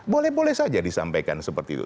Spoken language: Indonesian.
boleh boleh saja disampaikan seperti itu